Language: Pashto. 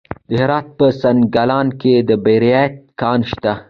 د هرات په سنګلان کې د بیرایت کان شته.